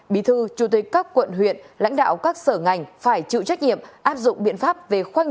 bí thư chủ tịch các quận huyện lãnh đạo các sở ngành phải chịu trách nhiệm áp dụng biện pháp về khoanh